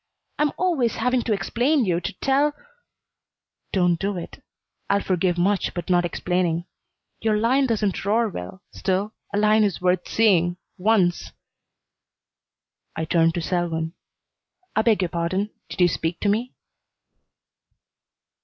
I'm always having to explain you, to tell " "Don't do it. I'll forgive much, but not explaining. Your lion doesn't roar well, still, a lion is worth seeing once." I turned to Selwyn. "I beg your pardon. Did you speak to me?"